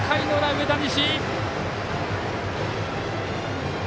上田西！